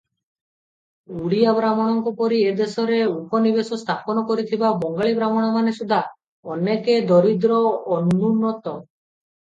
ଓଡ଼ିୟାବ୍ରାହ୍ମଣଙ୍କ ପରି ଏ ଦେଶରେ ଉପନିବେଶ ସ୍ଥାପନ କରିଥିବା ବଙ୍ଗାଳୀବ୍ରାହ୍ମଣମାନେ ସୁଦ୍ଧା ଅନେକେ ଦରିଦ୍ର ଓ ଅନୁନ୍ନତ ।